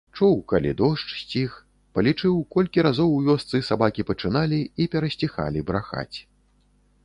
Чуў, калі дождж сціх, палічыў, колькі разоў у вёсцы сабакі пачыналі і перасціхалі брахаць.